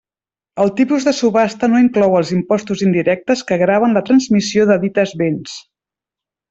El tipus de subhasta no inclou els imposts indirectes que graven la transmissió de dites béns.